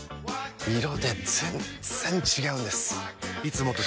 色で全然違うんです！